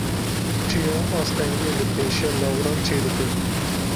Çiya astengiyê li pêşiya lawiran çêdike.